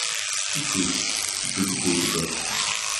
Qui sait ?… député, peut-être.